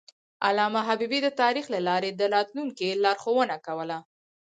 علامه حبیبي د تاریخ له لارې د راتلونکي لارښوونه کوله.